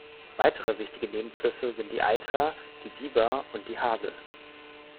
Weitere wichtige Nebenflüsse sind die Eitra, die Bieber und die Hasel.